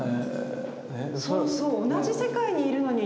そうそう同じ世界にいるのに。